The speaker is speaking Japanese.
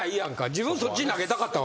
自分そっちに投げたかったわけやから。